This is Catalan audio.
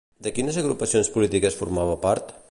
De quines agrupacions polítiques formava part?